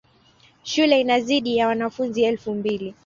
Shule ina zaidi ya wanafunzi elfu mbili.